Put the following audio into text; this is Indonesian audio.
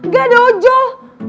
gak ada ojol